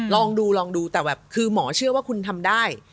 ลองดูลองดูแต่แบบคือหมอเชื่อว่าคุณทำได้